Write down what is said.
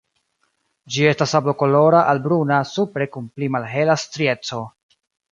Ĝi estas sablokolora al bruna supre kun pli malhela strieco.